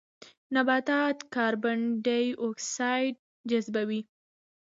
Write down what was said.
نباتات کاربن ډای اکسایډ جذبوي